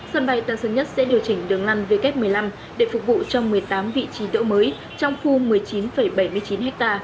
sân bay tân sơn nhất sẽ điều chỉnh đường lăn w một mươi năm để phục vụ cho một mươi tám vị trí đỗ mới trong khu một mươi chín bảy mươi chín ha